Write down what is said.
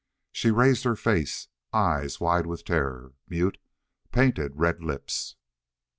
She raised her face. Eyes, wide with terror. Mute, painted red lips....